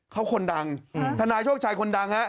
เขาคนดังทนายโชคชัยคนดังฮะ